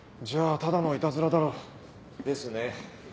じゃあただのいたずらだろう。ですね。